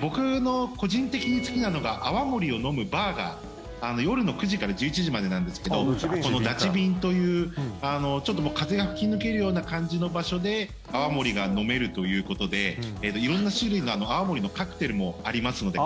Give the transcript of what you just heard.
僕の個人的に好きなのが泡盛を飲むバーが夜の９時から１１時までなんですけどこの抱瓶というちょっと風が吹き抜けるような感じの場所で泡盛が飲めるということで色んな種類の泡盛のカクテルもありますので。